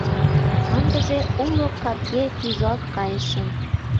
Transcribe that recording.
Ындыже уло капге пӱжалт кайышым.